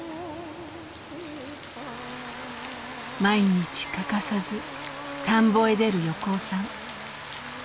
毎日欠かさず田んぼへ出る横尾さん。